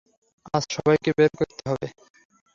আজ সবাইকে বের করতে হবে।